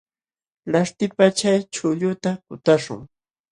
Laśhtipaq chay chuqlluta kutaśhun.